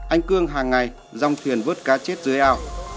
anh cương hàng ngày rong thuyền vớt cá chết dưới ao